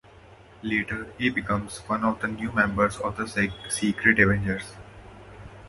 Later, he becomes one of the new members of the Secret Avengers.